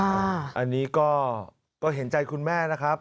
อันนี้ก็เห็นใจคุณแม่นะครับ